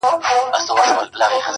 اوبه د سره خړي دي.